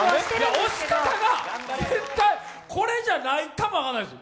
押し方が、絶対これじゃないかもわからんです。